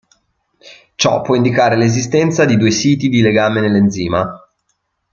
Ciò può indicare l'esistenza di due siti di legame nell'enzima.